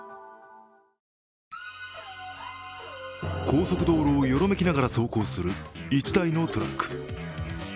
高速道路をよろめきながら走行する、１台のトラック。